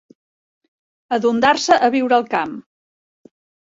Adondar-se a viure al camp.